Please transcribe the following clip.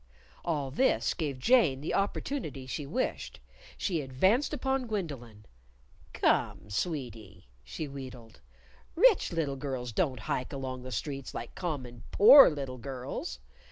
All this gave Jane the opportunity she wished. She advanced upon Gwendolyn. "Come, sweetie," she wheedled. "Rich little girls don't hike along the streets like common poor little girls.